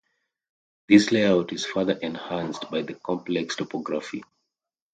This layout is further enhanced by the complex topography.